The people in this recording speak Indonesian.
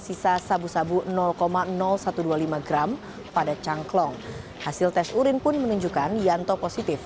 sisa sabu sabu satu ratus dua puluh lima gram pada cangklong hasil tes urin pun menunjukkan yanto positif